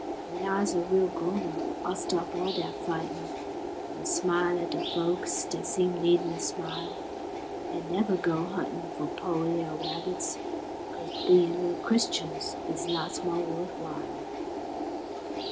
W'en ah's a real grown up, ah'll stop all dat fightin', An' smile at de folks dat seem needin' a smile, An' nevuh go huntin' fo' po' li'l' rabbits, 'Cos bein' real Christians is lots mo' wuth while.